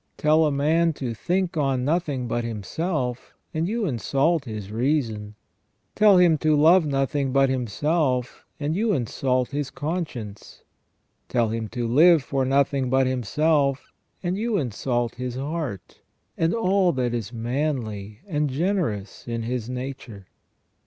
Tell a man to think on nothing but himself, and you insult his reason ; tell him to love nothing but himself, and you insult his conscience ; tell him to live for nothing but himself, and you insult his heart, and all that is manly and generous in his nature.